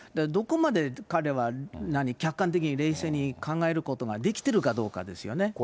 どこまで彼は、客観的に、冷静に考えることができてるかどうかですよね。